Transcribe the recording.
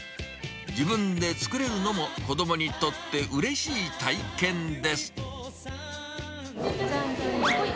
自分で作れるのも、子どもにとってうれしい体験です。